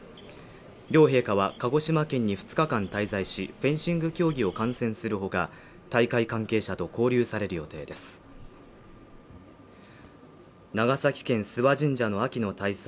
両陛下は鹿児島県に２日間滞在しフェンシング競技を観戦するほか大会関係者と交流される予定です長崎県諏訪神社の秋の大祭